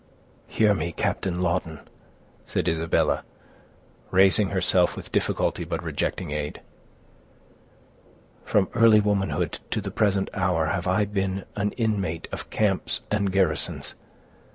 "Hear me, Captain Lawton," said Isabella, raising herself with difficulty, but rejecting aid. "From early womanhood to the present hour have I been an inmate of camps and garrisons.